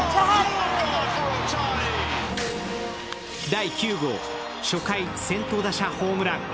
第９号、初回先頭打者ホームラン。